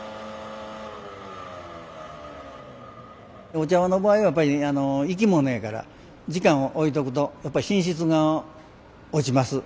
お茶の場合はやっぱり生き物やから時間をおいとくとやっぱり品質が落ちます。